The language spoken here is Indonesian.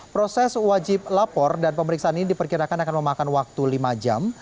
proses wajib lapor dan pemeriksaan ini diperkirakan akan memakan waktu lima jam